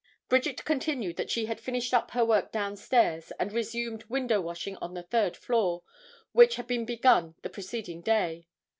Bridget continued that she had finished up her work down stairs and resumed window washing on the third floor, which had been begun the preceding day.